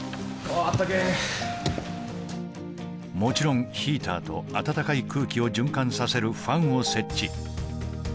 あったけえもちろんヒーターと温かい空気を循環させるファンを設置